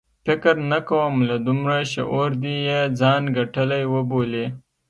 فکر نه کوم له دومره شعور دې یې ځان ګټلی وبولي.